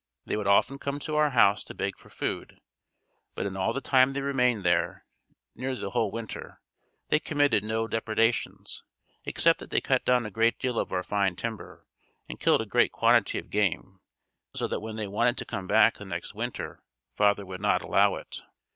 They would often come to our house to beg for food, but in all the time they remained there (nearly the whole winter) they committed no depredations, except that they cut down a great deal of our fine timber, and killed a great quantity of game, so that when they wanted to come back the next winter, father would not allow it.